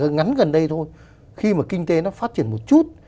ngắn gần đây thôi khi mà kinh tế nó phát triển một chút